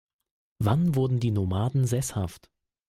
Wann wurden die Nomaden sesshaft?